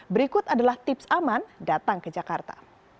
berikut adalah tips aman datang ke jakarta